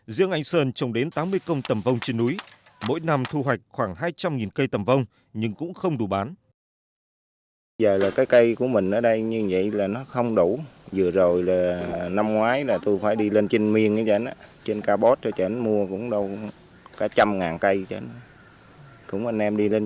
riêng anh sơn trồng đến tám mươi công tầm vong trên núi mỗi năm thu hoạch khoảng hai trăm linh cây tầm vong nhưng cũng không đủ bán